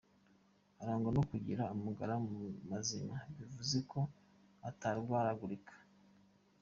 Arangwa no kugira amagara mazima bivuze ko atarwaragurika .